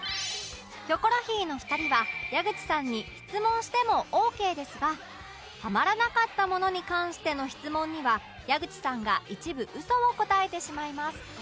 キョコロヒーの２人は矢口さんに質問してもオーケーですがハマらなかったものに関しての質問には矢口さんが一部嘘を答えてしまいます